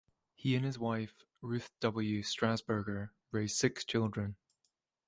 He and his wife, Ruth W. Strassburger, raised six children.